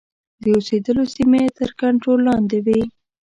د اوسېدلو سیمې یې تر کنټرول لاندي وې.